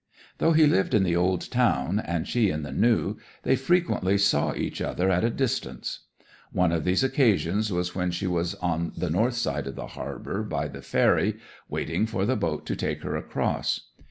'Though he lived in the old town, and she in the new, they frequently saw each other at a distance. One of these occasions was when she was on the north side of the harbour, by the ferry, waiting for the boat to take her across.